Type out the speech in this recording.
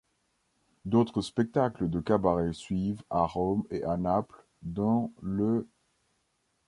D'autres spectacles de cabaret suivent à Rome et à Naples, dont le '.